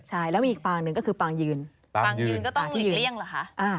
ใช่แล้วมีอีกปางหนึ่งก็คือปางยืนปางยืนก็ต้องหลีกเลี่ยงเหรอคะ